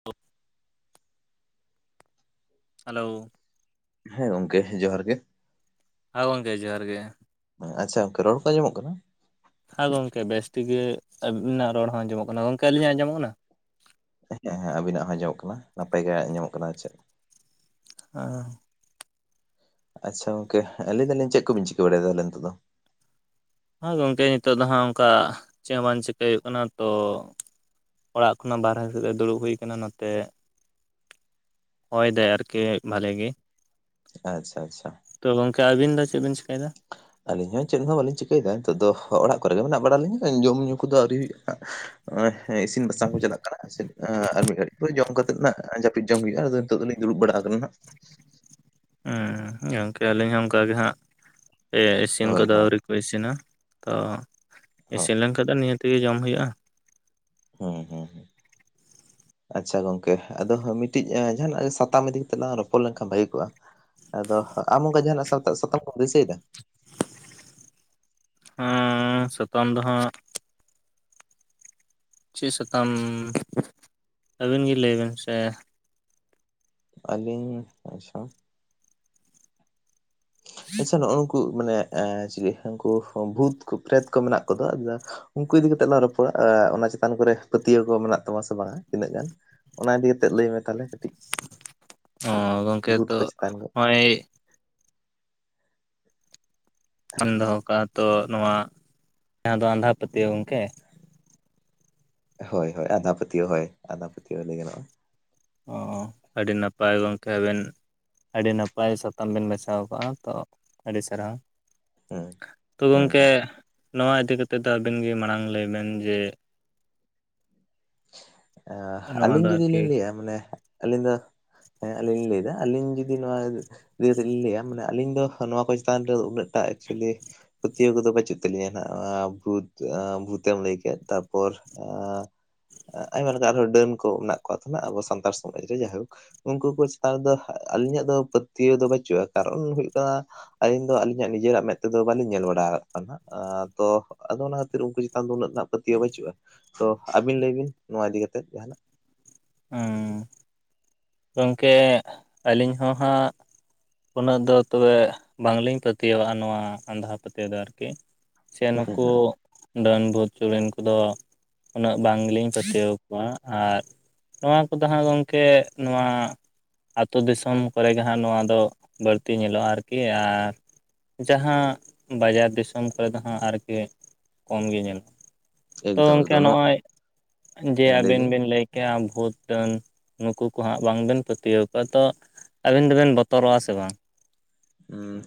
[inaudible] Hello, ᱦᱮᱸ ᱜᱚᱝᱠᱮ ᱡᱚᱦᱟᱨ ᱜᱮ ᱾ ᱦᱮᱸ ᱜᱚᱝᱠᱮ ᱡᱚᱦᱟᱨ ᱜᱮ ᱾ ᱟᱪᱪᱷᱟ ᱜᱚᱝᱠᱮ ᱨᱚᱲ ᱠᱚᱸ ᱟᱸᱡᱚᱢᱚᱜ ᱠᱟᱱᱟ? ᱦᱮᱸ ᱜᱚᱝᱠᱮ ᱵᱮᱥ ᱴᱷᱤᱠ ᱜᱮ ᱟᱹᱵᱤᱱᱟᱜ ᱨᱚᱲ ᱦᱚᱸ ᱟᱸᱡᱚᱢᱚᱜ ᱠᱟᱱᱟ, ᱜᱚᱝᱠᱮ ᱟᱹᱞᱤᱧᱟᱜ ᱟᱸᱡᱚᱢᱚᱜ ᱠᱟᱱᱟ? ᱦᱮᱸ ᱦᱮᱸ ᱟᱵᱤᱱᱟᱜ ᱦᱚᱸ ᱡᱚᱜ ᱠᱟᱱᱟ ᱱᱟᱯᱟᱭ ᱜᱮ ᱟᱡᱧᱚᱜ ᱠᱟᱱᱟ ᱪᱮᱜ [inaudible] ᱟᱪᱪᱷᱟ ᱜᱚᱝᱠᱮ ᱞᱮᱫᱟᱞᱤᱧ ᱪᱮᱜ ᱠᱚᱵᱤᱱ ᱪᱤᱠᱟᱹ ᱵᱟᱲᱟᱭᱫᱟ ᱞᱮ ᱱᱤᱛᱚᱜ ᱫᱚ? ᱦᱟᱸ ᱜᱚᱝᱠᱮ ᱱᱤᱛᱚᱜ ᱫᱚ ᱦᱟᱸᱜ ᱚᱝᱠᱟ ᱪᱮ ᱵᱟᱝ ᱪᱤᱠᱟᱹᱭ ᱦᱩᱭᱩᱜ ᱠᱟᱱᱟ ᱛᱚ ᱚᱲᱟᱜ ᱠᱷᱚᱱᱟᱜ ᱵᱟᱨᱦᱮ ᱥᱮᱫ ᱫᱩᱲᱩᱵ ᱦᱩᱭ ᱟᱠᱟᱱᱟ ᱱᱚᱛᱮ‌ ᱦᱚᱭᱫᱟᱭ ᱟᱨᱠᱤ ᱵᱷᱟᱞᱮ ᱜᱮ‌ ᱾ ᱟᱪᱪᱷᱟ ᱟᱪᱪᱷᱟ ᱾ ᱛᱚ ᱜᱚᱝᱠᱮ ᱟᱵᱤᱱ ᱫᱚ ᱪᱮᱫ ᱵᱤᱱ ᱪᱮᱠᱟᱭ ᱫᱟ? ᱟᱹᱞᱤᱧ ᱦᱚᱸ ᱪᱮᱫ ᱦᱚᱸ ᱵᱟᱹᱞᱤᱧ ᱪᱤᱠᱟᱹᱭᱮᱫᱟ ᱱᱤᱛᱚᱜ ᱫᱚ ᱚᱲᱟᱜ ᱠᱚᱨᱮᱜ ᱜᱮ ᱢᱮᱱᱟᱜ ᱵᱟᱲᱟ ᱞᱤᱧᱟ ᱡᱚᱢᱼᱧᱩ ᱠᱚᱫᱚ ᱟᱹᱣᱨᱤ ᱦᱩᱭᱩᱜ-ᱟ ᱤᱥᱤᱱ ᱵᱟᱥᱟᱝ ᱠᱚ ᱪᱟᱞᱟᱜ ᱠᱟᱱᱟ ᱦᱚᱭ ᱥᱮ ᱟᱨ ᱢᱤᱫ ᱜᱷᱟᱹᱲᱤᱡ ᱯᱳᱨᱮ ᱡᱚᱢ ᱠᱟᱛᱮ ᱱᱟᱜ ᱡᱟᱹᱯᱤᱫ ᱡᱚᱢ ᱦᱩᱭᱩᱜᱼᱟ ᱟᱫᱚ ᱱᱤᱛᱚᱜ ᱫᱚᱞᱤ ᱫᱩᱲᱩᱵᱲᱟ ᱠᱟᱱᱟᱱ ᱦᱟᱹᱜ᱾ ᱜᱚᱝᱠᱮ ᱟᱹᱞᱤᱧ ᱦᱚᱸ ᱚᱝᱠᱟᱜᱮ ᱦᱟᱸᱜ ᱤᱥᱤᱱ ᱦᱳᱭ ᱠᱚᱫᱚ ᱦᱳᱭ ᱟᱹᱣᱨᱤ ᱤᱥᱤᱱᱟ ᱛᱚ ᱦᱳᱭ ᱤᱥᱤᱱ ᱞᱮᱱ ᱠᱷᱟᱡ ᱫᱚ ᱱᱤᱭᱟᱹᱛ ᱜᱮ ᱡᱚᱢ ᱦᱩᱭᱩᱜᱼᱟ ᱦᱩᱸᱦᱩᱸ ᱟᱪᱷᱟ ᱜᱚᱝᱠᱮ ᱟᱫᱚ ᱢᱤᱜᱴᱤᱡ ᱡᱟᱦᱟᱱᱟᱜ ᱥᱟᱛᱟᱢ ᱤᱫᱤ ᱠᱟᱛᱮᱜ ᱞᱟᱝ ᱨᱚᱯᱚᱲ ᱞᱮᱱᱠᱷᱟᱱ ᱵᱷᱟᱹᱜᱮ ᱠᱚᱜᱼᱟ ᱟᱫᱚ ᱟᱢ ᱚᱱᱴᱝᱠᱟ ᱡᱟᱦᱟᱱᱟᱜ ᱥᱟᱛᱟ ᱥᱟᱛᱟᱢ ᱠᱚᱢ ᱫᱤᱥᱟᱹᱭᱮᱫᱟ? ᱩᱸ ᱥᱟᱛᱟᱢ ᱫᱚ ᱦᱟᱸᱜ ᱪᱤᱜ ᱥᱟᱛᱟᱢ ᱟᱹᱵᱤᱱ ᱜᱮ ᱞᱟᱹᱭᱵᱤᱱ ᱥᱮ᱾ ᱟᱹᱞᱤᱧ ᱟᱪᱷᱟ ᱟᱪᱷᱟ ᱱᱚᱜᱚᱝᱠᱩ ᱢᱟᱱᱮ ᱩᱝᱠᱩ ᱢᱟᱱᱮ ᱪᱮᱞᱮ ᱩᱱᱠᱩ ᱵᱷᱩᱛ ᱯᱷᱮᱛ ᱠᱚ ᱢᱮᱱᱟᱜ ᱠᱚᱫᱚ ᱩᱱᱠᱩ ᱤᱫᱤ ᱠᱟᱛᱮᱜ ᱞᱟᱝ ᱨᱚᱯᱚᱲᱟ ᱚᱱᱟ ᱪᱮᱛᱟᱱ ᱠᱚᱨᱮ ᱯᱟᱹᱛᱭᱟᱹᱣ ᱠᱚ ᱢᱮᱱᱟᱜ ᱛᱟᱢᱟ ᱥᱮ ᱵᱟᱝᱟ ᱛᱤᱱᱟᱹᱜ ᱜᱟᱱ? ᱚᱱᱟ ᱤᱫᱤ ᱠᱟᱛᱮᱜ ᱞᱟᱹᱭ ᱢᱮ ᱛᱟᱦᱚᱞᱮ ᱠᱟᱹᱴᱤᱡ ᱚᱻᱻ ᱜᱚᱝᱠᱮ ᱵᱷᱩᱛ ᱠᱚ ᱦᱛᱚᱜ ᱪᱮᱛᱟᱱ ᱠᱚ ᱱᱚᱜᱼᱚᱭ ᱟᱢ ᱫᱚᱦᱚ ᱠᱟᱜ ᱛᱚ ᱱᱚᱣᱟ ᱡᱟᱦᱟᱸ ᱫᱚ ᱟᱸᱫᱷᱟ ᱯᱟᱹᱛᱭᱟᱹᱣ ᱜᱚᱝᱠᱮ ᱦᱳᱭ ᱦᱳᱭ ᱟᱸᱫᱷᱟ ᱯᱟᱹᱛᱤᱭᱟᱹᱣ ᱦᱳᱭ ᱟᱸᱫᱷᱟ ᱯᱟᱹᱛᱭᱟᱹᱣ ᱞᱟᱹᱭ ᱜᱟᱱᱚᱜᱼᱟ ᱚ ᱟᱹᱰᱤ ᱱᱟᱯᱟᱭ ᱜᱚᱢᱠᱮ ᱟᱵᱮᱱ ᱟᱹᱰᱤ ᱱᱟᱯᱟᱭ ᱥᱟᱛᱟᱢ ᱵᱮᱱ ᱵᱟᱪᱷᱟᱣ ᱠᱟᱜᱼᱟ ᱛᱚ ᱟᱹᱰᱤ ᱥᱟᱨᱦᱟᱣ ᱦᱩᱸ ᱛᱚ ᱦᱩᱸ ᱜᱚᱝᱠᱮ ᱦᱩᱸ ᱱᱚᱣᱟ ᱤᱫᱤ ᱠᱟᱛᱮ ᱫᱚ ᱟᱵᱮᱱ ᱜᱮ ᱢᱟᱲᱟᱝ ᱞᱟᱹᱭ ᱵᱮᱱ ᱡᱮ ᱱᱚᱣᱟ ᱟᱹᱞᱤᱧ ᱫᱚ ᱡᱩᱫᱤ ᱟᱨᱠᱤ ᱞᱤᱧ ᱞᱟᱹᱭᱼᱟ ᱢᱟᱱᱮ ᱟᱹᱞᱤᱧ ᱫᱚ ᱦᱮᱸ ᱟᱹᱞᱤᱧ ᱞᱤᱧ ᱞᱟᱹᱭ ᱮᱜᱼᱟ ᱟᱹᱞᱤᱧ ᱡᱩᱫᱤ ᱱᱚᱣᱟ ᱡᱩᱫᱤ ᱞᱤᱧ ᱞᱟᱹᱭᱟ ᱢᱟᱱᱮ ᱟᱞᱤᱧ ᱫᱚ ᱱᱚᱣᱟ ᱠᱚ ᱪᱮᱛᱟᱱ ᱨᱮ ᱫᱚ ᱩᱱᱟᱹᱜ ᱴᱟᱜ ᱮᱠᱪᱚᱞᱤ ᱯᱟᱹᱛᱤᱭᱟᱹᱣ ᱠᱚᱫᱚ ᱵᱟᱹᱪᱩᱜ ᱛᱟᱞᱤᱧᱟ ᱱᱟᱜ ᱵᱷᱩᱛ ᱵᱷᱩᱛᱮᱢ ᱞᱟᱹᱭ ᱠᱮᱫ ᱛᱟᱯᱚᱨ ᱟᱭᱢᱟ ᱞᱮᱠᱟᱱ ᱟᱨᱦᱚᱸ ᱰᱟᱹᱱ ᱠᱚ ᱢᱮᱱᱟᱜ ᱠᱚ ᱛᱟᱸᱦᱮᱱᱟ ᱟᱵᱚ ᱥᱟᱱᱛᱟᱲ ᱥᱚᱢᱟᱡᱽ ᱨᱮ ᱡᱟᱭᱦᱳᱠ ᱩᱱᱠᱩ ᱠᱚ ᱪᱮᱛᱟᱱ ᱨᱮ ᱫᱚ ᱟᱹᱞᱤᱧᱟᱜ ᱫᱚ ᱯᱟᱹᱛᱭᱟᱹᱣ ᱫᱚ ᱵᱟᱹᱪᱩᱜᱼᱟ ᱠᱟᱨᱚᱱ ᱦᱩᱭᱩᱜ ᱠᱟᱱᱟ ᱟᱹᱞᱤᱧ ᱫᱚ ᱟᱹᱞᱤᱧᱟᱜ ᱱᱤᱡᱮᱨᱟᱜ ᱢᱮᱫ ᱛᱮᱫᱚ ᱵᱟᱹᱞᱤᱧ ᱧᱮᱞ ᱵᱟᱲᱟ ᱠᱟᱜ ᱠᱚᱣᱟ ᱦᱟᱜ ᱛᱚ ᱟᱫᱚ ᱚᱱᱟ ᱠᱷᱟᱹᱛᱤᱨ ᱩᱱᱠᱩ ᱪᱮᱛᱟᱱ ᱫᱚ ᱩᱱᱟᱹᱜ ᱨᱮᱱᱟᱜ ᱯᱟᱹᱛᱭᱟᱹᱣ ᱵᱟᱹᱪᱩᱜᱼᱟ ᱛᱚ ᱟᱹᱵᱤᱱ ᱞᱟᱹᱭ ᱵᱤᱱ ᱱᱚᱣᱟ ᱤᱫᱤ ᱠᱟᱛᱮᱫ ᱡᱟᱸᱦᱟ ᱱᱟᱜ ᱚᱻᱻ ᱜᱚᱢᱠᱮ ᱟᱹᱞᱤᱧ ᱦᱚᱸ ᱦᱟᱸᱜ ᱩᱱᱟᱹᱜ ᱫᱚ ᱛᱚᱵᱮ ᱵᱟᱝᱞᱤᱧ ᱯᱟᱹᱛᱤᱟᱹᱣᱟᱜᱼᱟ ᱱᱚᱣᱟ ᱟᱸᱫᱷᱟ ᱯᱟᱹᱛᱭᱟᱹᱣ ᱫᱚ ᱟᱨᱠᱤ ᱥᱮ ᱦᱮᱸ ᱱᱩᱠᱩ ᱦᱮᱸ ᱰᱟᱹᱱ, ᱵᱷᱩᱛ, ᱪᱩᱲᱤᱱ ᱠᱚᱫᱚ ᱩᱱᱟᱹᱜ ᱵᱟᱝ ᱜᱮᱞᱤᱧ ᱯᱟᱹᱛᱭᱟᱹᱣ ᱟᱠᱚᱣᱟ ᱟᱨ ᱱᱚᱣᱟ ᱠᱚᱫᱚ ᱦᱟᱸᱜ ᱜᱚᱢᱠᱮ ᱱᱚᱣᱟ ᱟᱛᱳ ᱫᱤᱥᱚᱢ ᱠᱚᱨᱮ ᱜᱮ ᱦᱟᱜ ᱱᱚᱣᱟ ᱫᱚ ᱵᱟᱹᱲᱛᱤ ᱧᱮᱞᱚᱜᱼᱟ ᱟᱨᱠᱤ ᱟᱨ ᱡᱟᱦᱟᱸ ᱵᱟᱡᱟᱨ ᱫᱤᱥᱚᱢ ᱠᱚᱨᱮ ᱫᱚ ᱦᱟᱸᱜ ᱟᱨᱠᱤ ᱠᱚᱢ ᱜᱮ ᱧᱮᱞᱚᱜᱼᱟ ᱛᱚ ᱮᱠᱫᱚᱢ ᱜᱚᱝᱠᱮ ᱮᱠᱫᱚᱢ ᱱᱚ ᱱᱚᱜᱼᱚᱭ ᱡᱮ ᱦᱮᱸ ᱟᱵᱮᱱ ᱵᱤᱱ ᱵᱮᱱ ᱞᱟᱹᱭ ᱠᱮᱭᱟ ᱵᱷᱩᱛ ᱰᱟᱹᱱ ᱱᱩᱠᱩ ᱠᱚ ᱦᱟᱸᱜ ᱵᱟᱝ ᱵᱮᱱ ᱯᱟᱹᱛᱭᱟᱹᱣ ᱠᱚᱣᱟ ᱛᱚ ᱟᱵᱮᱱ ᱫᱚᱵᱮᱱ ᱵᱚᱛᱚᱨᱚᱜᱼᱟ ᱥᱮ ᱵᱟᱝ ᱦᱩᱸ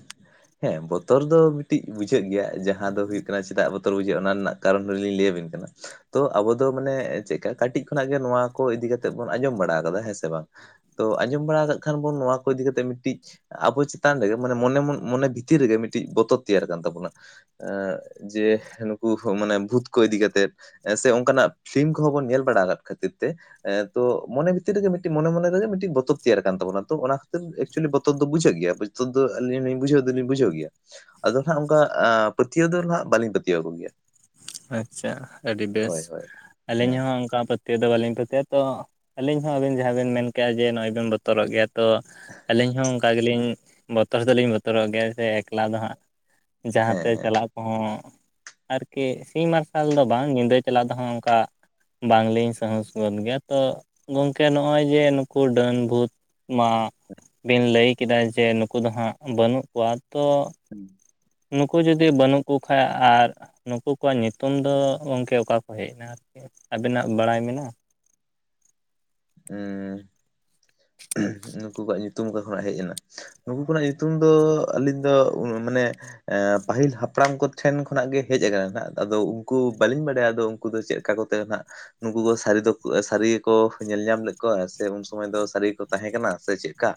ᱦᱮᱸ ᱵᱚᱛᱚᱨ ᱫᱚ ᱢᱤᱫᱴᱤᱡ ᱵᱩᱡᱷᱟᱹᱜ ᱜᱮᱭᱟ ᱡᱟᱦᱟᱸ ᱫᱚ ᱦᱩᱭᱩᱜ ᱠᱟᱱᱟ᱾ ᱪᱮᱫᱟᱜ ᱵᱚᱛᱚᱨ ᱵᱩᱡᱷᱟᱹᱜᱼᱟ ᱚᱱᱟ ᱨᱮᱱᱟᱜ ᱠᱟᱨᱚᱱ ᱦᱚᱸ ᱞᱤᱧ ᱞᱟᱹᱭ ᱟᱹᱵᱤᱱ ᱠᱟᱱᱟ᱾ ᱛᱚ ᱟᱵᱚ ᱫᱚ ᱢᱟᱱᱮ ᱪᱮᱫᱠᱟ ᱠᱟᱹᱴᱤᱡ ᱠᱷᱚᱱᱟᱜ ᱜᱮ ᱱᱚᱣᱟ ᱠᱚ ᱤᱫᱤ ᱠᱟᱛᱮᱜ ᱵᱚᱱ ᱟᱸᱡᱚᱢ ᱵᱟᱲᱟ ᱠᱟᱫᱟ ᱦᱮᱸ ᱥᱮ ᱵᱟᱝ ᱛᱚ ᱟᱸᱡᱚᱢ ᱵᱟᱲᱟ ᱠᱟᱜ ᱠᱷᱟᱱ ᱵᱚᱱ ᱱᱚᱣᱟ ᱠᱚ ᱤᱫᱤ ᱠᱟᱛᱮᱜ ᱢᱤᱫᱴᱤᱡ ᱟᱵᱚ ᱪᱮ ᱛᱟᱱ ᱨᱮᱜᱮ ᱢᱟᱱᱮ ᱢᱚᱱᱮ ᱢᱚᱱᱮ ᱵᱷᱤᱛᱤᱨ ᱨᱮᱜᱮ ᱢᱤᱫᱴᱤᱡ ᱵᱚᱛᱚᱨ ᱛᱮᱭᱟᱨ ᱠᱟᱱ ᱛᱟᱵᱚᱱᱟ᱾ ᱮᱸᱻ ᱡᱮ ᱱᱩᱠᱩ ᱢᱟᱱᱮ ᱵᱷᱩᱛ ᱠᱚ ᱤᱫᱤ ᱠᱟᱛᱮᱜ ᱦᱮᱸᱥᱮ ᱚᱱᱠᱟᱱᱟᱜ ᱯᱷᱤᱞᱤᱢ ᱠᱚᱦᱚᱸ ᱵᱚᱱ ᱧᱮᱞ ᱵᱟᱲᱟ ᱟᱠᱟᱫ ᱠᱷᱟᱹᱛᱤᱨ ᱛᱮ ᱮᱸ ᱛᱚ ᱢᱚᱱᱮ ᱵᱷᱤᱛᱤᱨ ᱨᱮᱜᱮ ᱢᱤᱫᱴᱤᱡ ᱢᱚᱱᱮ ᱢᱚᱱᱮ ᱨᱮᱜᱮ ᱢᱤᱫᱴᱤᱡ ᱵᱚᱛᱚᱨ ᱛᱮᱭᱟᱨ ᱠᱟᱱ ᱛᱟᱵᱚᱱᱟ ᱛᱚ ᱚᱱᱟ ᱠᱷᱟᱹᱛᱤᱨ ᱮᱠᱪᱩᱞᱤ ᱵᱚᱛᱚᱨ ᱫᱚ ᱵᱩᱡᱷᱟᱹᱜ ᱜᱮᱭᱟ ᱛᱚ ᱫᱚ ᱟᱹᱞᱤᱧ ᱦᱚᱞᱤᱧ ᱵᱩᱡᱷᱟᱹᱣ ᱫᱚᱞᱤᱧ ᱵᱩᱡᱷᱟᱹᱣ ᱜᱮᱭᱟ᱾ ᱟᱫᱚ ᱦᱟᱸᱜ ᱚᱝᱠᱟ ᱟᱸ ᱯᱟᱹᱛᱤᱭᱟᱹᱣ ᱫᱚ ᱦᱟᱸᱜ ᱵᱟᱹᱞᱤᱧ ᱯᱟᱹᱛᱤᱭᱟᱹᱣ ᱟᱠᱚ ᱜᱮᱭᱟ᱾ ᱟᱪᱪᱷᱟ, ᱟᱹᱰᱤ ᱵᱮᱥ ᱦᱳᱭ ᱦᱳᱭ ᱟᱹᱞᱤᱧ ᱦᱮᱸ ᱦᱚᱸ ᱚᱱᱠᱟ ᱯᱟᱹᱛ ᱯᱟᱹᱛᱤᱭᱟᱹᱣ ᱫᱚ ᱵᱟᱹᱞᱤᱧ ᱯᱟᱹᱛᱤᱭᱟᱹᱜᱼᱟ ᱛᱚ ᱟᱹᱞᱤᱧ ᱦᱚᱸ ᱟᱵᱮᱱ ᱡᱟᱦᱟᱸ ᱵᱮᱱ ᱢᱮᱱ ᱠᱮᱜᱼᱟ ᱡᱮ ᱱᱚᱜᱼᱚᱭ ᱵᱮᱱ ᱵᱚᱛᱚᱨᱚᱜ ᱜᱮᱭᱟ ᱛᱚ ᱟᱹᱞᱤᱧ ᱦᱚᱸ ᱚᱱᱠᱟ ᱜᱮᱞᱤᱧ ᱵᱚᱛᱚᱨ ᱫᱚᱞᱤᱧ ᱵᱚᱛᱚᱨᱚᱜ ᱜᱮᱭᱟ ᱥᱮ ᱮᱠᱞᱟ ᱫᱚ ᱦᱟᱸᱜ ᱡᱟᱦᱟᱸ ᱦᱮᱸ ᱛᱮ ᱦᱮᱸ ᱪᱟᱞᱟᱜ ᱠᱚᱦᱚᱸ ᱟᱨᱠᱤ ᱥᱤᱧ ᱢᱟᱨᱥᱟᱞ ᱫᱚ ᱵᱟᱝ ᱧᱤᱫᱟᱹ ᱪᱟᱞᱟᱜ ᱫᱚ ᱦᱟᱸᱜ ᱚᱱᱠᱟ ᱵᱟᱝ ᱞᱤᱧ ᱥᱟᱦᱚᱥ ᱜᱚᱫ ᱜᱮᱭᱟ ᱛᱚ, ᱜᱚᱝᱠᱮ ᱱᱚᱜᱼᱚᱭ ᱡᱮ ᱱᱩᱠᱩ ᱰᱟᱹᱱ ᱵᱷᱩᱛ ᱢᱟ ᱵᱤᱱ ᱞᱟᱹᱭ ᱠᱮᱫᱟ ᱡᱮ ᱱᱩᱠᱩ ᱫᱚ ᱦᱟᱸᱜ ᱵᱟᱹᱱᱩᱜ ᱠᱚᱣᱟ ᱛᱚ [inaudible] ᱱᱩᱠᱩ ᱡᱩᱫᱤ ᱵᱟᱹᱱᱩᱜ ᱠᱚ ᱠᱷᱟᱡ ᱟᱨ ᱱᱩᱠᱩ ᱠᱚᱣᱟᱜ ᱧᱩᱛᱩᱢ ᱫᱚ ᱜᱚᱝᱠᱮ ᱚᱠᱟ ᱠᱚ ᱦᱮᱡ ᱮᱱᱟ᱾ ᱟᱵᱮᱱᱟᱜ ᱵᱟᱲᱟᱭ ᱢᱮᱱᱟᱜᱼᱟ? ᱦᱩᱸ ᱱᱩᱠᱩ ᱠᱚᱣᱟᱜ ᱧᱩᱛᱩᱢ ᱚᱠᱟ ᱠᱷᱚᱱᱟᱜ ᱦᱮᱡ ᱮᱱᱟ᱾ ᱱᱩᱠᱩ ᱠᱚᱱᱟᱜ ᱧᱩᱛᱩᱢ ᱫᱚ ᱟᱹᱞᱤᱧ ᱫᱚ ᱢᱟᱱᱮ ᱮᱸ ᱯᱟᱹᱦᱤᱞ ᱦᱟᱯᱲᱟᱢ ᱠᱚ ᱴᱷᱮᱱ ᱠᱷᱚᱱᱟᱜ ᱜᱮ ᱦᱮᱡ ᱟᱠᱟᱱᱟ ᱦᱟᱸᱜ ᱟᱫᱚ ᱩᱱᱠᱩ ᱵᱟᱹᱞᱤᱧ ᱵᱟᱰᱟᱭᱟ ᱟᱫᱚ ᱱᱩᱠᱩ ᱫᱚ ᱪᱮᱫ ᱞᱮᱠᱟ ᱠᱚ ᱛᱟᱦᱮᱱᱟ ᱱᱟᱦᱟᱸᱜ ᱱᱩᱠᱩ ᱠᱚ ᱥᱟᱹᱨᱤ ᱫᱚ ᱥᱟᱹᱨᱤ ᱜᱮᱠᱚ ᱧᱮᱞ ᱧᱟᱢ ᱞᱮᱫ ᱠᱚᱣᱟ ᱥᱮ ᱩᱱ ᱥᱚᱢᱚᱭ ᱫᱚ ᱥᱟᱹᱨᱤ ᱜᱮ ᱠᱚ ᱛᱟᱦᱮᱸ ᱠᱟᱱᱟ ᱥᱮ ᱪᱮᱫ ᱞᱮᱠᱟ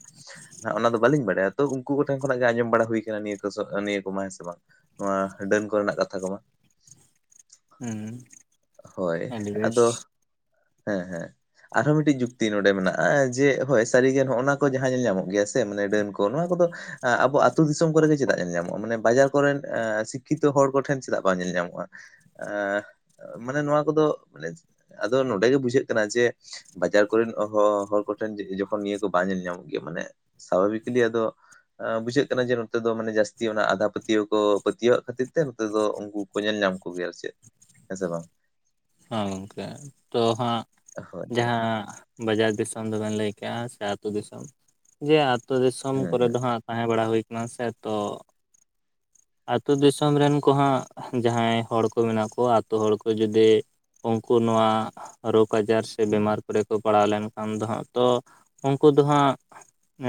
ᱦᱟᱸᱜ ᱚᱱᱟ ᱫᱚ ᱵᱟᱹᱞᱤᱧ ᱵᱟᱰᱟᱭᱟ ᱛᱚ ᱩᱱᱠᱩ ᱠᱚᱴᱷᱮᱱ ᱠᱷᱚᱱᱟᱜ ᱜᱮ ᱟᱸᱡᱚᱢ ᱵᱟᱲᱟ ᱦᱩᱭ ᱠᱟᱱᱟ ᱱᱤᱭᱟᱹ ᱠᱚ ᱱᱤᱭᱟᱹ ᱠᱚᱢᱟ ᱦᱮᱸᱥᱮ ᱵᱟᱝ, ᱱᱚᱣᱟ ᱰᱟᱹᱱ ᱠᱚᱨᱮᱱᱟᱜ ᱠᱟᱛᱷᱟ ᱠᱚᱢᱟ ᱦᱩᱸ ᱦᱳᱭ ᱟᱹᱰᱤ ᱵᱮᱥ ᱟᱫᱚ ᱦᱮᱸ ᱦᱮᱸ ᱟᱨᱦᱚᱸ ᱢᱤᱫᱴᱤᱡ ᱡᱩᱠᱛᱤ ᱱᱚᱸᱰᱮ ᱢᱮᱱᱟᱜᱼᱟ ᱡᱮ ᱦᱳᱭ ᱥᱟᱹᱨᱤ ᱜᱮ ᱱᱚᱜᱼᱚᱭ ᱱᱚᱣᱟ ᱠᱚ ᱡᱟᱦᱟᱸ ᱧᱮᱞ ᱧᱟᱢᱚᱜ ᱜᱮᱭᱟ ᱥᱮ ᱢᱟᱱᱮ ᱰᱟᱹᱱ ᱠᱚ ᱱᱚᱣᱟ ᱠᱚᱫᱚ ᱟᱸ ᱟᱵᱚ ᱟᱹᱛᱩ ᱫᱤᱥᱚᱢ ᱠᱚᱨᱮ ᱜᱮ ᱪᱮᱫᱟᱜ ᱧᱮᱞ ᱧᱟᱢᱚᱜᱼᱟ, ᱢᱟᱱᱮ ᱵᱟᱡᱟᱨ ᱠᱚᱨᱮᱱ ᱮᱸ ᱥᱤᱠᱠᱷᱤᱛᱚ ᱦᱚᱲ ᱠᱚᱴᱷᱮᱱ ᱪᱮᱫᱟᱜ ᱵᱟᱝ ᱧᱮᱞ ᱧᱟᱢᱚᱜᱼᱟ᱾ ᱮᱸ ᱢᱟᱱᱮ ᱱᱚᱣᱟ ᱠᱚᱫᱚ ᱟᱫᱚ ᱱᱚᱸᱰᱮ ᱜᱮ ᱵᱩᱡᱷᱟᱹᱜ ᱠᱟᱱᱟ ᱡᱮ ᱵᱟᱡᱟᱨ ᱠᱚᱨᱮᱱ ᱦᱚ ᱦᱚᱲ ᱠᱚᱴᱷᱮᱱ ᱡᱚ ᱡᱚᱠᱷᱚᱱ ᱱᱤᱭᱟᱹ ᱠᱚ ᱵᱟᱝ ᱧᱮᱞ ᱧᱟᱢᱚᱜ ᱜᱮᱭᱟ᱾ ᱢᱟᱱᱮ ᱥᱟᱵᱷᱟᱵᱤᱠᱞᱤ ᱟᱫᱚ ᱟᱸ ᱵᱩᱡᱷᱟᱹᱜ ᱠᱟᱱᱟ ᱡᱮ ᱱᱚᱛᱮ ᱫᱚ ᱢᱟᱱᱮ ᱡᱟᱹᱥᱛᱤ ᱚᱱᱟ ᱟᱸᱫᱷᱟ ᱯᱟᱹᱛᱤᱭᱟᱹᱣ ᱠᱚ ᱯᱟᱹᱛᱤᱭᱟᱹᱣᱟᱜ ᱠᱷᱟᱹᱛᱤᱨ ᱛᱮ ᱱᱚᱛᱮ ᱫᱚ ᱩᱱᱠᱩ ᱧᱮᱞ ᱧᱟᱢ ᱠᱚ ᱜᱮᱭᱟ ᱪᱮᱫ ᱦᱮᱸ ᱥᱮ ᱵᱟᱝ ᱦᱮᱸ ᱜᱚᱝᱠᱮ ᱛᱚ ᱦᱟᱸᱜ ᱦᱳᱭ ᱦᱳᱭ ᱡᱟᱦᱟᱸ ᱵᱟᱡᱟᱨ ᱫᱤᱥᱚᱢ ᱫᱚ ᱵᱮᱱ ᱞᱟᱹᱭ ᱠᱮᱜᱼᱟ ᱥᱮ ᱟᱹᱛᱩ ᱫᱤᱥᱚᱢ ᱡᱮ ᱟ. ᱛᱩ ᱫᱤᱥᱚᱢ ᱦᱮᱸ ᱦᱮᱸ ᱠᱚᱨᱮ ᱦᱮᱸ ᱫᱚ ᱦᱟᱸᱜ ᱛᱟᱦᱮᱸ ᱵᱟᱲᱟ ᱦᱩᱭ ᱟᱠᱟᱱᱟ᱾ ᱥᱮ ᱛᱚ ᱟᱹᱛᱩ ᱫᱤᱥᱚᱢ ᱨᱮᱱ ᱠᱚ ᱦᱟᱸᱜ ᱡᱟᱦᱟᱸᱭ ᱦᱚᱲ ᱠᱚ ᱢᱮᱱᱟᱜ ᱠᱚᱣᱟ ᱟᱹᱛᱩ ᱦᱚᱲ ᱠᱚ ᱡᱩᱫᱤ ᱩᱱᱠᱩ ᱱᱚᱣᱟ ᱨᱳᱜᱽ ᱟᱡᱟᱨ ᱥᱮ ᱵᱮᱢᱟᱨ ᱠᱚᱨᱮ ᱠᱚ ᱯᱟᱲᱟᱣ ᱞᱮᱱᱠᱷᱟᱱ ᱫᱚ ᱦᱟᱸᱜ ᱛᱚ ᱩᱱᱠᱩ ᱫᱚ ᱦᱟᱸᱜ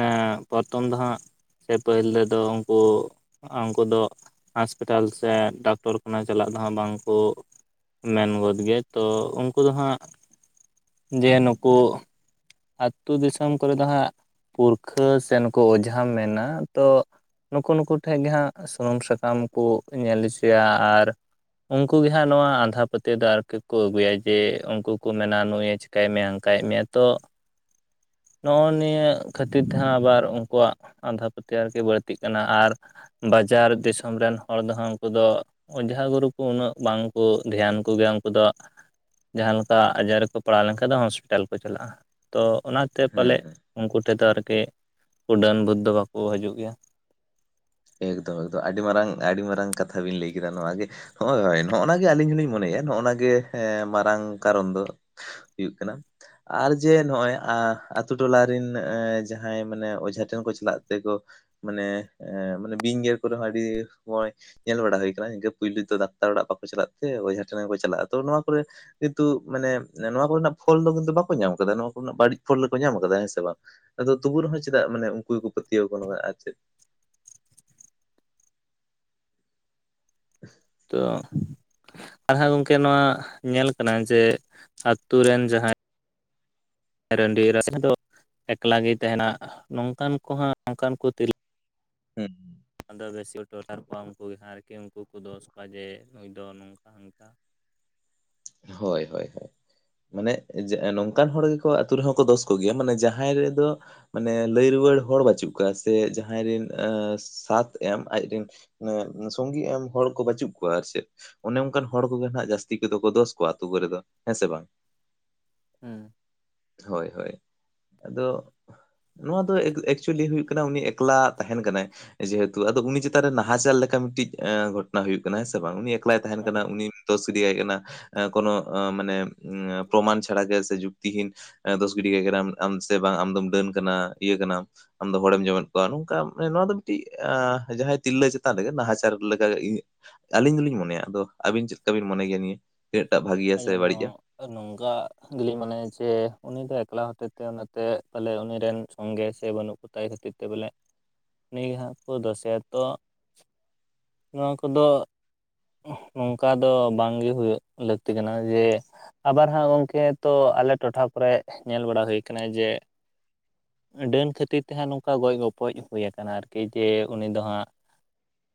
ᱮᱸ ᱯᱚᱨᱛᱷᱚᱢ ᱫᱚ ᱦᱟᱸᱜ ᱥᱮ ᱯᱟᱹᱦᱤᱞ ᱨᱮᱫᱚ ᱩᱱᱠᱩ ᱩᱱ ᱠᱩ ᱫᱚ ᱦᱟᱥᱯᱤᱴᱟᱞ ᱥᱮ ᱰᱟᱠᱴᱚᱨ ᱠᱷᱟᱱᱟ ᱪᱟᱞᱟᱜ ᱫᱚ ᱦᱟᱸᱜ ᱵᱟᱝ ᱠᱚ ᱢᱮᱱ ᱜᱚᱫ ᱜᱮᱭᱟ ᱛᱚ, ᱩᱱᱠᱩ ᱫᱚ ᱦᱟᱸᱜ ᱡᱮ ᱱᱩᱠᱩ ᱟᱹᱛᱩ ᱫᱤᱥᱚᱢ ᱠᱚᱨᱮ ᱫᱚ ᱦᱟᱸᱜ ᱯᱩᱨᱠᱷᱟᱹ ᱥᱮ ᱱᱩᱠᱩ ᱚᱡᱷᱟ ᱢᱮᱱᱟ ᱛᱚ, ᱱᱩᱠᱩ ᱱᱩᱠᱩ ᱴᱷᱮᱡ ᱜᱮ ᱦᱟᱸᱜ - ᱥᱩᱱᱩᱢ ᱥᱟᱠᱟᱢ ᱠᱚ ᱧᱮᱞ ᱦᱚᱪᱚᱭ-ᱟ᱾ ᱟᱨ ᱩᱱᱠᱩ ᱜᱮ ᱦᱟᱸᱜ ᱱᱚᱣᱟ ᱟᱸᱫᱷᱟ ᱯᱟᱹᱛᱤᱭᱟᱹᱣ᱾ ᱟᱨᱠᱤ ᱠᱚ ᱟᱹᱜᱩᱭᱟ ᱡᱮ ᱩᱱᱠᱩ ᱠᱚ ᱢᱮᱱᱟ᱾ ᱱᱩᱭᱮ ᱪ [unintelligible] ᱠᱟᱭ ᱢᱮᱭᱟ ᱦᱟᱱᱠᱟᱭᱮᱫ ᱢᱮᱭᱟ ᱛᱚ᱾ ᱱᱚᱜᱼᱚ ᱱᱤᱭᱟᱹ ᱠᱷᱟᱹᱛᱤᱨ ᱛᱮ ᱦᱟᱜᱸ, ᱟᱵᱟᱨ ᱩᱱᱠᱩᱣᱟᱜ ᱟᱸᱫᱽᱷᱟ ᱯᱟᱹᱛᱤᱭᱟᱹᱣ ᱟᱨᱠᱤ ᱵᱟᱹᱲᱛᱤᱜ ᱠᱟᱱᱟ᱾ᱟᱨ ᱵᱟᱡᱟᱨ ᱫᱤᱥᱚᱢ ᱨᱮᱱ ᱦᱚᱲ ᱫᱚ ᱦᱟᱸᱜ ᱩᱱᱠᱩ ᱫᱚ᱾ ᱚᱡᱷᱟ ᱜᱩᱨᱩ ᱠᱚ ᱩᱱᱟᱹᱜ, ᱵᱟᱝᱠᱚ ᱫᱷᱮᱭᱟᱱ ᱠᱚ ᱜᱮᱭᱟ, ᱩᱱᱠᱩ ᱫᱚ ᱡᱟᱦᱟᱸ ᱞᱮᱠᱟ ᱟᱡᱟᱨ ᱨᱮᱠᱚ ᱯᱟᱲᱟᱣ ᱞᱮᱱᱠᱷᱟᱱ ᱫᱚ ᱾ ᱦᱚᱥᱯᱤᱴᱟᱞ ᱠᱚ ᱪᱟᱞᱟᱜᱼᱟ᱾ ᱛᱚ ᱚᱱᱟ ᱦᱮᱸ ᱯᱟᱞᱮᱫ ᱩᱱᱠᱩ ᱴᱷᱮᱡ ᱫᱚ ᱟᱨᱠᱤ, ᱰᱟᱹᱱ ᱵᱷᱩᱛ ᱫᱚ ᱵᱟᱠᱚ ᱦᱤᱡᱩᱜ ᱜᱮᱭᱟ᱾ ᱮᱠᱫᱚᱢ ᱮᱠᱫᱚᱢ, ᱟᱹᱰᱤ ᱢᱟᱨᱟᱝ ᱟᱹᱰᱤ ᱢᱟᱨᱟᱝ ᱠᱟᱛᱷᱟ ᱵᱤᱱ ᱞᱟᱹᱭ ᱠᱮᱫᱟ ᱱᱚᱣᱟ ᱜᱮ ᱦᱳᱭ ᱦᱳᱭ ᱱᱚᱜᱼᱱᱟᱜᱮ ᱟᱹᱞᱤᱧ ᱦᱚᱞᱤᱧ ᱢᱚᱱᱮᱭᱼᱟ ᱾ ᱱᱚᱜᱼᱱᱟ ᱜᱮ‌ᱢᱟᱨᱟᱝ ᱠᱟᱨᱚᱱ ᱫᱚ᱾ ᱦᱩᱭᱩᱜ ᱠᱟᱱᱟ᱾ ᱟᱨ ᱡᱮ ᱱᱚᱜᱼᱚᱭ ᱟᱹᱛᱩ ᱴᱚᱞᱟ ᱨᱮᱱ ᱡᱟᱦᱟᱸᱭ ᱢᱟᱱᱮ ᱚᱡᱷᱟ ᱴᱷᱮᱱ ᱠᱚ ᱪᱟᱞᱟᱜ ᱛᱮᱠᱚ ᱢᱟᱱᱮ ᱟ ᱢᱟᱱᱮ ᱵᱤᱧ ᱜᱮᱨ ᱠᱚ ᱨᱮ ᱦᱚᱸ ᱟᱰᱤ ᱢᱚᱪ ᱧᱮᱞ ᱵᱟᱲᱟ ᱦᱩᱭ ᱠᱟᱱᱟ᱾ᱯᱩᱭᱞᱩ ᱫᱚ ᱰᱟᱠᱛᱟᱨ ᱚᱲᱟᱜ ᱵᱟᱠᱚ ᱪᱟᱞᱟᱜ ᱛᱮ, ᱚᱡᱷᱟ ᱴᱷᱮᱱ ᱜᱮ ᱠᱚ ᱪᱟᱞᱟᱜᱼᱟ ᱾ᱛᱳ ᱱᱚᱣᱟ ᱠᱚᱨᱮ ᱠᱤᱱᱛᱩ ᱢᱟᱱᱮ ᱱᱚᱣᱟ ᱠᱚᱨᱮᱱᱟᱼᱜ ᱯᱷᱚᱞ ᱫᱚ ᱠᱤᱱᱛᱩ ᱵᱟᱠᱚ ᱧᱟᱢ ᱠᱟᱫᱟ᱾ ᱱᱚᱣᱟ ᱠᱚᱨᱮᱱᱟᱜ ᱵᱟᱹᱲᱤᱡ ᱯᱷᱚᱞ ᱨᱮᱠᱚ ᱧᱟᱢ ᱠᱟᱫᱟ ᱦᱮᱸ ᱥᱮ ᱵᱟᱝ? ᱟᱫᱚ ᱛᱚᱵᱩ ᱨᱮᱦᱚᱸ ᱪᱮᱫᱟᱜ ᱢᱟᱱᱮ, ᱩᱱᱠᱩ ᱜᱮᱠᱚ ᱯᱟᱹᱛᱭᱟᱹᱣ ᱜᱟᱱ ᱾ᱟᱨ ᱪᱮᱫ [inaudible] ᱛᱚ ᱟᱦᱚᱸ ᱜᱚᱝᱠᱮ ᱱᱚᱣᱟ ᱧᱮᱞ ᱠᱟᱱᱟ, ᱡᱮ ᱟᱹᱛᱩ ᱨᱮᱱ ᱡᱟᱦᱟᱸᱭ ᱨᱟᱺᱰᱤ ᱮᱨᱟ ᱥᱮᱦᱟᱸ ᱫᱚ, ᱮᱠᱞᱟ ᱜᱮ ᱛᱟᱦᱮᱱᱟ᱾ ᱱᱚᱝᱠᱟᱱ ᱠᱚᱦᱟᱸ ᱱᱚᱝᱠᱟᱱ ᱠᱚ ᱦᱩᱸ ᱛᱤᱨᱞᱟᱹ᱾ ᱫᱚ ᱵᱮᱥᱤᱶ ᱰᱚᱞᱟᱨ ᱠᱚᱣᱟ ᱩᱱᱠᱩ ᱜᱮ ᱡᱟᱦᱟᱭ᱾ ᱠᱮ ᱩᱱᱠᱩ ᱠᱚᱫᱚ ᱥᱚᱦᱟᱡᱮ ᱱᱩᱭ ᱫᱚ ᱱᱚᱝᱠᱟ ᱦᱟᱱᱠᱟ᱾ ᱦᱳᱭ - ᱦᱳᱭ - ᱦᱳᱭ ᱢᱟᱱᱮ ᱱᱚᱝᱠᱟᱱ ᱦᱚᱲ ᱜᱮᱠᱚ ᱟᱹᱛᱩ ᱨᱮᱦᱚᱸ ᱠᱚ ᱫᱚᱥ ᱠᱚᱜᱮᱭ-ᱟ᱾ ᱢᱟᱱᱮ ᱡᱟᱦᱟᱸᱭ ᱨᱮᱫᱚᱸ ᱢᱟᱱᱮ ᱞᱟᱹᱭ ᱨᱩᱣᱟᱹᱲ ᱦᱚᱲ ᱵᱟᱹᱪᱩᱜ ᱠᱚᱣᱟ᱾ ᱥᱮ ᱡᱟᱦᱟᱸᱭ ᱨᱮᱱ ᱥᱟᱛᱷ ᱮᱢ ᱟᱡᱨᱤᱱ ᱮ ᱥᱚᱝᱜᱤ ᱮᱢ ᱦᱚᱲ ᱠᱚ, ᱵᱟᱪᱩᱜ ᱠᱚᱣᱟ ᱟᱨ ᱪᱮᱫ, ᱚᱱᱮ ᱚᱱᱠᱟᱱ ᱦᱚᱲ ᱠᱚᱜᱮ ᱦᱱᱟᱜ ᱡᱟᱹᱥᱛᱤ ᱠᱚᱼᱫᱚ ᱠᱚ ᱫᱚᱥ ᱛᱳ ᱟᱹᱛᱩ ᱠᱚᱨᱮ ᱫᱚ ᱦᱮᱸ ᱥᱮ ᱵᱟᱝ? ᱦᱩᱸ ᱦᱳᱭ ᱦᱳᱭ ᱟᱫᱚ ᱱᱚᱣᱟ ᱫᱚ ᱮᱠᱪᱩᱭᱮᱞᱤ ᱦᱩᱭᱩᱜ ᱠᱟᱱᱟ᱾ ᱩᱱᱤ ᱮᱠᱞᱟ ᱛᱟᱦᱮᱱ ᱠᱟᱱᱟᱭ ᱡᱮᱦᱮᱛᱩ ᱟᱫᱚ ᱩᱱᱤ ᱪᱮᱛᱟᱱ ᱨᱮ ᱱᱟᱦᱟᱪᱟᱨ ᱞᱮᱠᱟ, ᱢᱤᱫᱴᱤᱡ ᱜᱷᱚᱴᱚᱱᱟ ᱦᱩᱭᱩᱼᱜ ᱠᱟᱱᱟ ᱾ᱦᱸ ᱥᱮ ᱵᱟᱝ? ᱮᱠᱞᱟᱭ ᱛᱟᱦᱮᱱ ᱦᱮᱸ ᱠᱟᱱᱟ ᱩᱱᱤᱢ ᱫᱚᱥ ᱤᱫᱤᱭᱟᱭ ᱠᱟᱱᱟ ᱠᱳᱱ ᱢᱟᱱᱮ ᱯᱨᱚᱢᱟᱱ ᱪᱷᱟᱲᱟ ᱜᱮ ᱥᱮ ᱡᱩᱠᱛᱤᱦᱤᱱ ᱫᱚᱥ ᱜᱤᱰᱤ ᱠᱟᱭ ᱠᱟᱱᱟᱢ ᱾ ᱟᱢ ᱥᱮ ᱵᱟᱝ ᱟᱢᱫᱚᱢ ᱰᱟᱹᱱ ᱠᱟᱱᱟ ᱤᱭᱟᱹ ᱠᱟᱱᱟᱢ ᱟᱢᱫᱚ ᱦᱚᱲᱮᱢ ᱡᱚᱢᱮᱫ ᱠᱚᱣᱟ᱾ ᱱᱚᱝᱠᱟ ᱱᱚᱣᱟ ᱫᱚ ᱢᱤᱫᱴᱤᱡ ᱡᱟᱦᱟᱸᱭ ᱛᱤᱨᱞᱟᱹ ᱪᱮᱛᱟᱱ ᱨᱮᱜᱮ, ᱱᱟᱦᱟᱪᱟᱨ ᱞᱮᱠᱟᱜᱮ ᱤᱧᱟᱹᱜ ᱟᱹᱞᱤᱧ ᱫᱚᱞᱤᱧ ᱢᱚᱱᱮᱭᱟ ᱾ ᱟᱫᱚ ᱟᱹᱵᱤᱱ ᱪᱮᱫ ᱞᱮᱠᱟ ᱵᱤᱱ ᱢᱚᱱᱮ ᱜᱮᱭᱟ ᱱᱤᱭᱟᱹ ᱪᱮᱫ ᱥᱮᱴᱟᱜ ᱵᱷᱟᱜᱤ ᱟᱞᱤᱧ ᱦᱳᱸ ᱱᱚᱝᱠᱟ ᱜᱮᱞᱤᱧ ᱢᱚᱱᱮᱭ-ᱟ᱾ ᱡᱮ ᱩᱱᱤ ᱫᱚ ᱮᱠᱞᱟ ᱦᱚᱛᱮᱡ ᱛᱮ, ᱚᱱᱟᱛᱮ ᱯᱟᱞᱮ ᱩᱱᱤ ᱨᱮᱱ ᱥᱚᱸᱜᱮ ᱥᱮ ᱵᱟᱹᱱᱩᱜ ᱠᱚ ᱛᱟᱭ ᱠᱷᱟᱹᱛᱤᱨ ᱛᱮ ᱵᱚᱞᱮ, ᱩᱱᱤ ᱜᱮ ᱦᱟᱸᱜ ᱠᱚ ᱫᱥᱮᱭᱟᱛᱚ᱾ ᱱᱚᱣᱟ ᱠᱚᱼᱫᱚ ᱱᱚᱝᱠᱟ ᱫᱚ, ᱵᱟᱝᱜᱮ ᱦᱩᱭᱩᱜ ᱞᱟᱹᱠᱛᱤ ᱛᱤᱠᱟᱱᱟ ᱡᱮ ᱟᱵᱟᱨ ᱦᱟᱸᱜ ᱜᱚᱝᱠᱮ, ᱛᱚ ᱟᱞᱮ ᱴᱚᱴᱷᱟ ᱠᱚᱨᱮ ᱧᱮᱞ ᱵᱟᱲᱟ ᱦᱩᱭ ᱠᱟᱱᱟ ᱾ᱡᱮ ᱰᱟᱹᱱ ᱠᱷᱟᱹᱛᱤᱨ ᱛᱮᱦᱟᱸᱜ ᱱᱚᱝᱠᱟ ᱜᱚᱡ ᱜᱚᱯᱚᱡ ᱦᱩᱭᱩᱠᱟᱱᱟ ᱾ ᱟᱨᱠᱤ ᱡᱮ ᱩᱱᱤ ᱫᱚ ᱦᱟᱸᱜ [inaudible]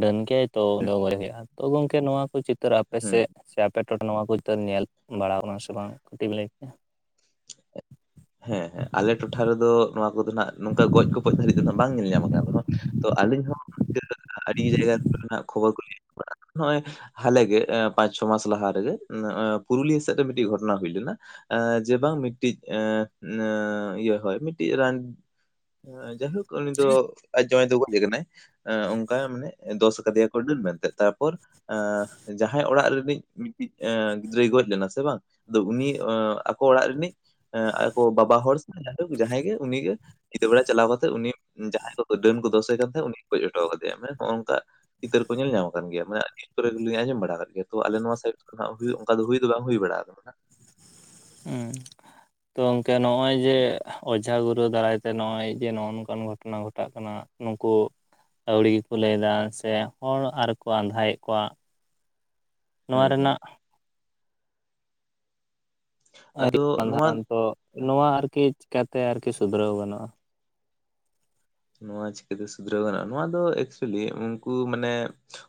ᱰᱟᱹᱱ ᱜᱮᱭᱟᱭ ᱛᱚ ᱫᱚ ᱦᱩᱸ ᱜᱚᱭ ᱦᱩᱭᱩᱜᱼᱟ ᱛᱚ ᱜᱚᱝᱠᱮ ᱱᱚᱣᱟ ᱠᱚ ᱪᱤᱛᱟᱹᱨ ᱟᱯᱮ ᱦᱩᱸ ᱥᱮ ᱪᱮ ᱟᱯᱮ ᱴᱚᱴᱷᱟ ᱱᱚᱣᱟ ᱠᱚ ᱪᱤᱛᱟᱹᱨ ᱧᱮᱞ ᱵᱟᱲᱟ ᱟᱠᱟᱱᱟ ᱥᱮ ᱵᱟᱝ ᱠᱟᱹᱴᱤᱡ ᱵᱮ ᱞᱟᱹᱭ ᱦᱮᱸ ᱦᱮᱸ ᱟᱞᱮ ᱴᱚᱴᱷᱟ ᱨᱮᱫᱚ ᱱᱚᱣᱟ ᱠᱚᱫᱚ ᱦᱟᱜ ᱱᱚᱝᱠᱟ ᱜᱚᱡ ᱜᱯᱚᱡ ᱫᱷᱟᱹᱨᱤᱡ ᱫᱚᱱᱟᱜ ᱵᱟᱝ ᱧᱮᱞ ᱧᱟᱢ ᱟᱠᱟᱱᱨᱮᱦᱚ ᱛᱚ ᱟᱹᱞᱤᱧ ᱦᱚᱸ [unintelligible] ᱟᱹᱰᱤ ᱡᱟᱭᱜᱟ ᱠᱚ ᱨᱮᱱᱟᱜ ᱠᱷᱚᱵᱚᱨ ᱠᱚᱞᱤᱧ [unintelligible] ᱱᱚᱜᱼᱚᱭ ᱦᱟᱞᱮᱜᱮ ᱯᱟᱸᱪ ᱪᱷᱚ ᱢᱟᱥ ᱞᱟᱦᱟ ᱨᱮᱜᱮ ᱯᱩᱨᱩᱞᱤᱭᱟᱹ ᱥᱮᱜ ᱨᱮ ᱢᱤᱫᱴᱮᱱ ᱜᱷᱚᱴᱚᱱᱟ ᱦᱩᱭ ᱞᱮᱱᱟ ᱾ ᱮ ᱡᱮ ᱵᱟᱝ ᱢᱤᱫᱴᱤᱡ ᱱᱮ ᱤᱭᱟᱹ ᱦᱳᱭ ᱢᱤᱫᱴᱤᱡ ᱨᱟᱱ ᱡᱟᱭᱦᱳᱠ ᱩᱱᱤ ᱫᱚ ᱟᱡ ᱡᱟᱶᱟᱭ ᱫᱚ ᱜᱚᱡ ᱟᱠᱟᱱᱟᱭ ᱚᱱᱠᱟ ᱢᱟᱱᱮ ᱫᱚᱥ ᱟᱠᱟᱫᱮᱭᱟ ᱠᱚ ᱰᱟᱹᱱ ᱢᱮᱱᱛᱮ ᱛᱟ ᱯᱚᱨ ᱮ ᱡᱟᱦᱟᱸᱭ ᱚᱲᱟᱜ ᱨᱤᱱᱤᱡ ᱢᱤᱫᱴᱤᱡ ᱜᱤᱫᱽᱨᱟᱹᱭ ᱜᱚᱡ ᱞᱮᱱᱟ ᱥᱮ ᱵᱟᱝ ᱟᱫᱚ ᱩᱱᱤ ᱟᱠᱚ ᱚᱲᱟᱜ ᱨᱤᱱᱤᱡ ᱟᱠᱚ ᱵᱟᱵᱟ ᱦᱚᱲ ᱥᱮ ᱡᱟᱭ ᱦᱳᱠ ᱡᱟᱦᱟᱸᱭ ᱜᱮ ᱩᱱᱤᱜᱮ ᱧᱤᱫᱟᱹ ᱵᱮᱲᱟ ᱪᱟᱞᱟᱣ ᱠᱟᱛᱮᱫ ᱩᱱᱤ ᱡᱟᱦᱟᱸᱭ ᱠᱚ ᱰᱟᱹᱱ ᱠᱚ ᱫᱚᱥᱮ ᱠᱟᱱ ᱛᱟᱦᱮᱸᱫ ᱩᱱᱤ ᱠᱚ ᱜᱚᱡ ᱦᱚᱴᱚ ᱠᱟᱫᱮᱭᱟ ᱢᱟᱱᱮ ᱦᱚᱜ ᱚᱝᱠᱟ ᱪᱤᱛᱟᱹᱨ ᱠᱚ ᱧᱮᱞ ᱧᱟᱢ ᱠᱟᱱᱟᱱ ᱜᱮᱭᱟ ᱢᱟᱜᱽ ᱟᱨᱠᱤ ᱠᱚᱨᱮ ᱜᱮᱞᱤᱧ ᱟᱸᱡᱚᱢ ᱵᱟᱲᱟ ᱟᱠᱟᱫ ᱜᱮᱭᱟ [unintelligible] ᱟᱡᱚᱢ ᱵᱟᱲᱟ ᱜᱮᱭᱟ ᱛᱚ ᱟᱞᱮ ᱱᱚᱣᱟ ᱥᱟᱭᱤᱰ ᱨᱮᱱᱟᱜ ᱵᱤᱨ ᱚᱠᱟ ᱫᱚ ᱦᱩᱭ ᱫᱚ ᱵᱟᱝ ᱦᱩᱭ ᱵᱟᱲᱟ ᱟᱠᱟᱱᱟ ᱾ ᱦᱩᱸ ᱛᱚ ᱜᱚᱝᱠᱮ ᱱᱚᱭ ᱡᱮ ᱚᱡᱷᱟ ᱜᱩᱨᱩ ᱫᱟᱨᱟᱭᱛᱮ ᱱᱚᱭ ᱡᱮ ᱱᱚᱜᱚᱭ ᱱᱚᱝᱠᱟᱱ ᱜᱷᱚᱴᱚᱱᱟ ᱜᱷᱚᱴᱟᱜ ᱠᱟᱱᱟ ᱱᱩᱠᱩ ᱟᱸᱣᱲᱤ ᱜᱮᱠᱚ ᱞᱟᱹᱭ ᱮᱫᱟ ᱥᱮ ᱦᱚᱲ ᱟᱨᱠᱚ ᱟᱸᱫᱷᱟᱭᱮᱫ ᱠᱚᱣᱟ ᱱᱚᱣᱟ ᱦᱩᱸ ᱦᱩᱸ ᱨᱮᱱᱟᱜ ᱟᱫᱚ ᱟᱭᱩᱵ ᱱᱚᱣᱟ [unintelligible] ᱛᱚ ᱱᱚᱣᱟ ᱟᱨᱠᱤ ᱪᱮᱠᱟᱛᱮ ᱟᱨᱠᱤ ᱥᱩᱫᱷᱨᱟᱹᱣ ᱜᱟᱱᱚᱜᱼᱟ? ᱱᱚᱣᱟ ᱪᱤᱠᱟᱹ ᱛᱮ ᱥᱩᱫᱷᱨᱟᱹᱣ ᱜᱟᱱᱚᱜᱼᱟ ᱱᱚᱣᱟ ᱫᱚ ᱮᱠᱪᱩᱭᱮᱞᱤ ᱩᱱᱠᱩ ᱢᱟᱱᱮ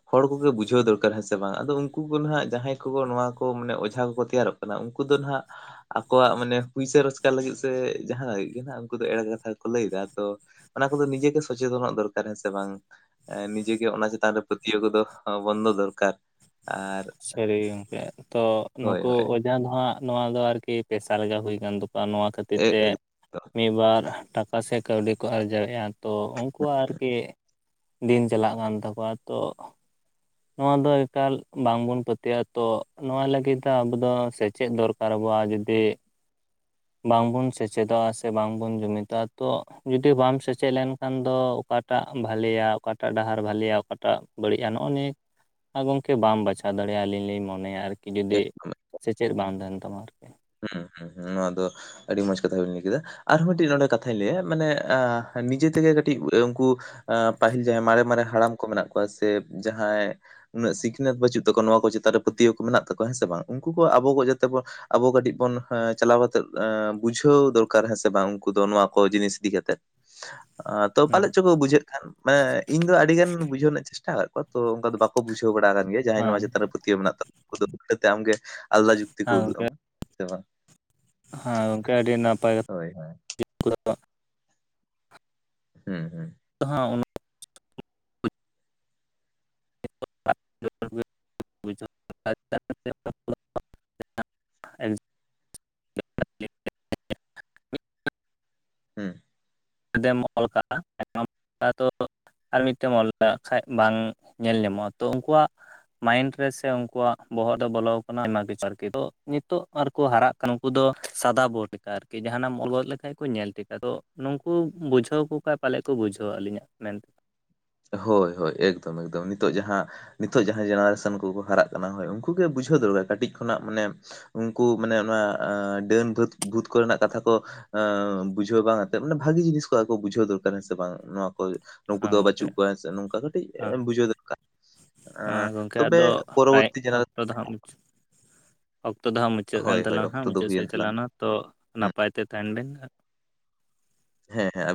ᱦᱚᱲ ᱠᱚᱜᱮ ᱵᱩᱡᱷᱟᱹᱣ ᱫᱚᱨᱠᱟᱨ ᱦᱮᱸ ᱥᱮ ᱵᱟᱝ ᱟᱫᱚ ᱩᱱᱠᱩ ᱠᱚ ᱦᱟᱸᱜ ᱡᱟᱦᱟᱸᱭ ᱠᱚ ᱱᱚᱣᱟ ᱠᱚ ᱢᱟᱱᱮ ᱚᱡᱷᱟ ᱠᱚᱠᱚ ᱛᱮᱭᱟᱨᱚᱜ ᱠᱟᱱᱟ ᱩᱱᱠᱩ ᱫᱚ ᱱᱟᱦᱟᱜ ᱟᱠᱚᱣᱟᱜ ᱢᱟᱱᱮ ᱯᱩᱭᱥᱟᱹ ᱨᱳᱡᱽᱜᱟᱨ ᱞᱟᱹᱜᱤᱫ ᱥᱮ ᱡᱟᱦᱟ ᱞᱟᱹᱜᱤᱫ ᱜᱮ ᱦᱟᱜ ᱩᱱᱠᱩ ᱫᱚ ᱮᱲᱮ ᱠᱟᱛᱷᱟ ᱠᱚ ᱞᱟᱹᱭ ᱮᱫᱟ ᱟᱫᱚ ᱚᱱᱟ ᱠᱚᱫᱚ ᱱᱤᱡᱮ ᱜᱮ ᱥᱚᱡᱮᱛᱮᱱᱚᱜ ᱫᱚᱨᱠᱟᱨ ᱦᱮᱸ ᱥᱮ ᱵᱟᱝ ᱱᱤᱡᱮᱜ ᱜᱮ ᱚᱱᱟ ᱪᱮᱛᱟᱱ ᱨᱮ ᱯᱟᱹᱛᱭᱟᱹᱣ ᱠᱚᱫᱚ ᱵᱚᱱᱫᱚ ᱫᱚᱨᱠᱟᱨ ᱟᱨ ᱥᱟᱹᱨᱤ ᱜᱮ ᱜᱚᱝᱠᱮ ᱛᱚ ᱦᱳᱭ ᱱᱩᱠᱩ ᱦᱳᱭ ᱚ ᱡᱟᱦᱟ ᱫᱚ ᱦᱟᱸᱜ ᱱᱚᱣᱟ ᱫᱚ ᱟᱨᱠᱤ ᱯᱮᱥᱟ ᱞᱮᱠᱟ ᱦᱩᱭ ᱟᱠᱟᱱ ᱛᱟᱠᱚᱣᱟ ᱱᱚᱣᱟ ᱠᱷᱟᱹᱛᱤᱨ ᱮ- ᱛᱮ ᱢᱤᱫ ᱵᱟᱨ ᱴᱟᱠᱟ ᱥᱮ ᱠᱟᱹᱣᱰᱤ ᱠᱚ ᱟᱨᱡᱟᱣᱮᱫᱼᱟ ᱛᱚ ᱩᱱᱠᱩᱣᱟᱜ ᱟᱨᱠᱤ ᱫᱤᱱ ᱪᱟᱞᱟᱜ ᱠᱟᱱ ᱛᱟᱠᱚᱣᱟ ᱛᱚ ᱱᱚᱣᱟ ᱫᱚ ᱮᱠᱟᱞ ᱵᱟᱝ ᱵᱚᱱ ᱯᱟᱹᱛᱭᱟᱹᱜᱼᱟ ᱛᱚ ᱱᱚᱣᱟ ᱞᱟᱹᱜᱤᱫ ᱫᱚ ᱟᱵᱚ ᱫᱚ ᱥᱮᱪᱮᱫ ᱫᱚᱨᱠᱟᱨ ᱟᱵᱚᱣᱟ ᱡᱚᱫᱤ [inaudible] ᱵᱟᱝ ᱵᱚᱱ ᱥᱮᱪᱮᱫᱚᱜᱼᱟ ᱥᱮ ᱵᱟᱝ ᱵᱚᱱ ᱡᱩᱢᱤᱫᱚᱜᱼᱟ ᱛᱚ ᱡᱩᱫᱤ ᱵᱟᱢ ᱥᱮᱪᱮᱫ ᱞᱮᱱᱠᱷᱟᱱ ᱫᱚ ᱚᱠᱟ ᱚᱠᱟᱴᱟᱜ ᱵᱷᱟᱞᱮᱭᱟ ᱚᱠᱟᱴᱟᱜ ᱰᱟᱦᱟᱨ ᱵᱷᱟᱹᱞᱮᱭᱟ ᱚᱠᱟᱴᱟᱜ ᱵᱟᱹᱲᱤᱡᱼᱟ ᱱᱚᱜᱼᱚ ᱱᱤᱭᱟᱹ ᱴᱟ ᱟᱨ ᱜᱚᱢᱠᱮ ᱵᱟᱢ ᱵᱟᱪᱷᱟᱣ ᱫᱟᱲᱮᱭᱟᱜᱼᱟ ᱟᱹᱞᱤᱧ ᱞᱤᱧ ᱢᱚᱱᱮᱭᱟ ᱟᱨᱠᱤ ᱡᱩᱫᱤ ᱮᱠᱫᱚᱢ ᱥᱮᱪᱮᱫ ᱵᱟᱝ ᱛᱟᱦᱮᱱ ᱛᱟᱢᱟ ᱟᱨᱠᱤ ᱦᱩᱸ ᱦᱩᱸ ᱦᱩᱸ ᱱᱚᱶᱟ ᱫᱚ ᱟᱹᱰᱤ ᱢᱚᱸᱡᱽ ᱠᱟᱛᱷᱟ ᱵᱤᱱ ᱞᱟᱹᱭ ᱠᱮᱫᱟ ᱟᱨᱦᱚᱸ ᱢᱤᱫᱴᱤᱡ ᱱᱚᱰᱮ ᱠᱟᱛᱷᱟᱧ ᱞᱟᱹᱭᱟ ᱢᱟᱱᱮ ᱮᱸ ᱱᱤᱡᱮ ᱛᱮᱜᱮ ᱠᱟᱹᱴᱤᱡ ᱩᱱᱠᱩ ᱯᱟᱹᱦᱤᱞ ᱡᱟᱦᱟᱸᱭ ᱢᱟᱨᱮ ᱢᱟᱨᱮ ᱦᱟᱲᱟᱢ ᱠᱚ ᱢᱮᱱᱟᱜ ᱠᱚᱣᱟ ᱥᱮ ᱡᱟᱦᱟᱸᱭ ᱩᱱᱟᱹᱜ ᱥᱤᱠᱷᱱᱟᱹᱛ ᱵᱟᱹᱪᱩᱜ ᱛᱟᱠᱚᱣᱟ ᱱᱚᱣᱟ ᱠᱚ ᱪᱮᱛᱟᱱ ᱨᱮ ᱯᱟᱹᱛᱭᱟᱹᱣ ᱢᱮᱱᱟᱜ ᱛᱟᱠᱚᱣᱟ ᱦᱮᱸ ᱥᱮ ᱵᱟᱝ ᱩᱱᱠᱩ ᱟᱵᱚ ᱠᱚ ᱡᱟᱛᱮ ᱵᱚ ᱟᱵᱚ ᱠᱟᱹᱴᱤᱡ ᱵᱚᱱ ᱪᱟᱞᱟᱣ ᱠᱟᱛᱮᱫ ᱵᱩᱡᱷᱟᱹᱣ ᱫᱚᱨᱠᱟᱨ ᱦᱮᱸ ᱥᱮ ᱵᱟᱝ ᱩᱱᱠᱩ ᱫᱚ ᱱᱚᱣᱟ ᱠᱚ ᱡᱤᱱᱤᱥ ᱤᱫᱤ ᱠᱟᱛᱮᱫ ᱛᱚ ᱦᱮᱸ ᱯᱟᱞᱮᱫ ᱪᱚᱠᱚ ᱵᱩᱡᱷᱟᱹᱜ ᱠᱷᱟᱱ ᱢᱟᱱᱮ ᱤᱧ ᱫᱚ ᱟᱹᱰᱤ ᱜᱟᱱ ᱵᱩᱡᱷᱟᱹᱣ ᱨᱮᱱᱟᱜ ᱪᱮᱥᱴᱟ ᱟᱠᱟᱫ ᱠᱚᱣᱟ ᱛᱚ ᱚᱱᱠᱟ ᱫᱚ ᱵᱟᱠᱚ ᱵᱩᱡᱷᱟᱹᱣ ᱵᱟᱲᱟ ᱟᱠᱟᱱ ᱜᱮᱭᱟ ᱡᱟᱦᱟᱸᱭ ᱦᱮᱸ ᱱᱚᱣᱟ ᱪᱮᱛᱟᱱ ᱨᱮ ᱯᱟᱹᱛ ᱯᱟᱹᱛᱭᱟᱹᱣ ᱢᱮᱱᱟᱜ ᱛᱟᱠᱚᱣᱟ ᱩᱱ ᱫᱚ ᱩᱞᱴᱟᱹ ᱛᱮ ᱟᱢᱜᱮ ᱟᱞᱟᱫᱟ ᱡᱩᱠᱛᱤ ᱠᱚ ᱩᱫᱩᱜ ᱜᱚᱢᱠᱮ ᱟᱢᱟ ᱦᱮ ᱥᱮ ᱵᱟᱝ ᱦᱮᱸ ᱜᱚᱝᱠᱮ ᱟᱹᱰᱤ ᱱᱟᱯᱟᱭ ᱦᱳᱭ ᱦᱳᱭ [unintelligible] ᱦᱩᱸ ᱦᱩ ᱡᱟᱦᱟ ᱚᱱᱟ [unintelligible] [unintelligible] ᱦᱮᱸ [unintelligible] ᱚᱞ ᱠᱟᱜᱼᱟ [unintelligible] ᱛᱚ ᱟᱨ ᱢᱤᱫᱴᱮᱱ ᱚᱞᱟᱜ ᱠᱷᱟᱡ ᱵᱟᱝ ᱧᱮᱞ ᱧᱟᱢᱚᱜᱼᱟ ᱛᱚ ᱩᱱᱠᱩᱣᱟᱜ ᱢᱟᱭᱤᱱᱰ ᱨᱮ ᱥᱮ ᱩᱱᱠᱩᱣᱟᱜ ᱵᱚᱦᱚᱜ ᱨᱮ ᱵᱚᱞᱚ ᱟᱠᱟᱱᱟ ᱟᱭᱢᱟ ᱠᱤᱪᱷᱩ ᱟᱨᱠᱤ ᱛᱚ ᱱᱤᱛᱚᱜ ᱟᱨ ᱠᱩ ᱦᱟᱨᱟᱜ ᱩᱱᱠᱩ ᱫᱚ ᱥᱟᱫᱟ ᱵᱳᱴ ᱞᱮᱠᱟ ᱟᱨᱠᱤ ᱡᱟᱦᱱᱟᱜ ᱮᱢ ᱚᱞ ᱜᱚᱫ ᱞᱮᱠᱷᱟᱡ ᱠᱚ ᱧᱮᱞ ᱴᱷᱤᱠᱟ ᱟᱫᱚ ᱱᱩᱝ ᱠᱩᱚ ᱵᱩᱡᱷᱟᱹᱣ ᱟᱠᱚ ᱠᱷᱟᱡ ᱯᱟᱞᱮᱫ ᱠᱚ ᱵᱩᱡᱷᱟᱹᱣᱟ ᱟᱹᱞᱤᱧᱟᱜ ᱢᱮᱱᱛᱮ ᱦᱳᱭ ᱦᱳᱭ ᱮᱠᱫᱚᱢ ᱮᱠᱫᱚᱢ ᱱᱤᱛᱚᱜ ᱡᱟᱦᱟ ᱱᱤᱛᱚᱜ ᱡᱟᱦᱟᱸᱭ ᱡᱮᱱᱟᱨᱮᱥᱚᱱ ᱠᱚᱠᱚ ᱦᱟᱨᱟᱜ ᱠᱟᱱᱟ ᱦᱳᱭ ᱩᱱᱠᱩ ᱜᱮ ᱵᱩᱡᱷᱟᱹᱣ ᱫᱚᱨᱠᱟᱨ ᱠᱟᱹᱴᱤᱡ ᱠᱷᱚᱱᱟᱜ ᱢᱟᱱᱮ ᱩᱱᱠᱩ ᱢᱟᱱᱮ ᱚᱱᱟ ᱰᱟᱹᱱ ᱵᱷᱩᱛ ᱵᱷᱩᱛ ᱠᱚᱨᱮᱱᱟᱜ ᱠᱟᱛᱷᱟ ᱠᱚ ᱵᱩᱡᱷᱟᱹᱣ ᱵᱟᱝ ᱮᱱᱛᱮᱫ ᱢᱟᱱᱮ ᱵᱷᱟᱜᱤ ᱡᱤᱱᱤᱥ ᱠᱚ ᱵᱩᱡᱷᱟᱹᱣ ᱫᱚᱨᱠᱟᱨ ᱦᱮᱸ ᱥᱮ ᱵᱟᱝ ᱱᱚᱣᱟ ᱠᱚ ᱦᱮᱸ ᱜᱚᱝᱠᱮ ᱪᱮᱫ ᱱᱚᱝᱠᱟ ᱠᱟᱹᱴᱤᱡ ᱦᱮᱸ ᱵᱩᱡᱷᱟᱹᱣ ᱫᱚᱨᱠᱟᱨ ᱦᱮᱸ ᱜᱚᱝᱠᱮ ᱛᱚᱵᱮ ᱟᱫᱚ ᱴᱟᱭ ᱯᱚᱨᱚᱵᱚᱨᱛᱤ ᱡᱮᱱᱟ ᱚᱠᱛᱚ ᱫᱚ ᱦᱟᱸᱜ ᱢᱩᱪᱟᱹᱫ ᱚᱠᱛᱚ ᱫᱚ ᱦᱟᱸᱜ ᱢᱩᱪᱟᱹᱫ ᱮᱱ ᱦᱳᱭ ᱦᱳᱭ ᱛᱟᱞᱟᱝ-ᱟ ᱦᱟᱸᱜ ᱚᱠᱛᱚ ᱫᱚ ᱢᱩᱪᱟᱹᱫ ᱦᱩᱭᱮᱱ ᱥᱮᱫ ᱛᱟᱞᱟᱝ ᱪᱟᱞᱟᱣ ᱮᱱᱟ ᱛᱚ ᱦᱩᱸ ᱱᱟᱯᱟᱭ ᱛᱮ ᱛᱟᱦᱮᱱ ᱵᱮᱱ ᱦᱮᱸ ᱦᱮᱸ